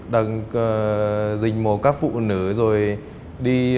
đang rình mò các phụ nữ rồi